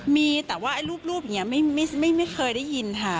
มีแต่ว่ารูปอย่างนี้ไม่เคยได้ยินค่ะ